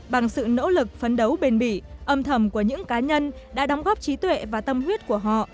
bằng sự nỗ lực phấn đấu bền bỉ âm thầm của những cá nhân đã đóng góp trí tuệ và tâm huyết của họ